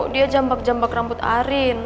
dia jambak jambak rambut arin